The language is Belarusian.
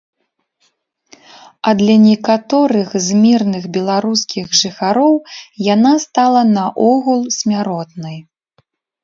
А для некаторых з мірных беларускіх жыхароў яна стала наогул смяротнай.